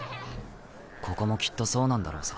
ここもきっとそうなんだろうさ。